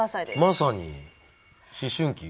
まさに思春期。